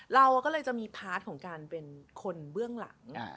เราก็เลยจะมีพาร์ทของการเป็นคนเบื้องหลัง